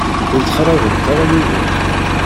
Ur ttxalaḍemt ara widak.